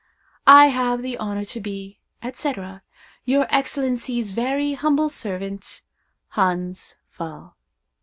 "I have the honor to be, etc., your Excellencies' very humble servant, "HANS PFAALL."